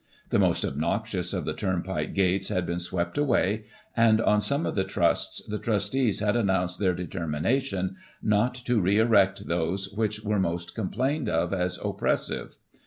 The most obnoxious of the turnpike gates had been swept away; and, on some of the trusts, the trustees had announced their determination not to re erect those which were most complained of as oppressive.